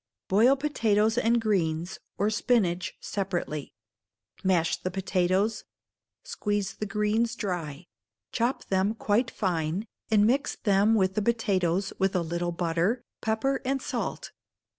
Boil potatoes and greens (or spinach) separately; mash the potatoes; squeeze the greens dry; chop them quite fine, and mix them with the potatoes with a little butter, pepper, and salt.